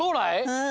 うん。